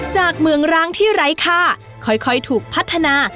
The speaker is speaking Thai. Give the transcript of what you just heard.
จากเมืองร้างที่ไร้ค่าค่อยถูกพัฒนา